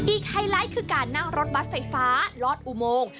ไฮไลท์คือการนั่งรถบัตรไฟฟ้าลอดอุโมง